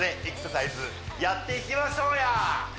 エクササイズやっていきましょうや！